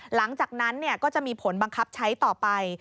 หลังจากนั้นก็จะมีผลบังคับใช้ต่อไป